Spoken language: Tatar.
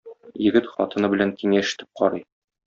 Егет хатыны белән киңәш итеп карый.